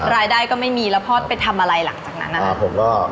รายได้ก็ไม่มีแล้วพอดไปทำอะไรหลังจากนั้นนะฮะ